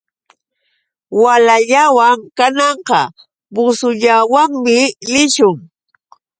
Walallawan kananqa busullawanmi lishun.